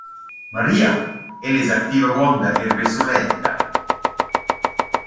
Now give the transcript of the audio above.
Maria, «ella es activa avuonda eir be suletta».